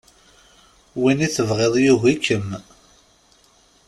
Win i tebɣiḍ yugi-kem.